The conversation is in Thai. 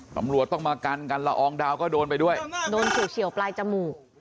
ตำรวจต้องมากันกันละอองดาวก็โดนไปด้วยโดนฉุดเฉียวปลายจมูก